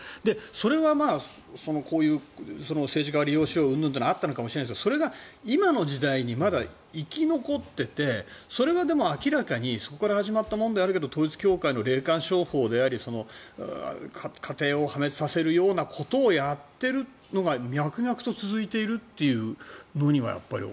それは、こういう政治家を利用しよううんぬんはあったのかもしれないですがそれが今の時代にまだ生き残っていてそれがでも明らかにそこから始まったものであるけど統一教会の霊感商法であり家庭を破滅させるようなことをやっているのが脈々と続いているっていうのにはやっぱり。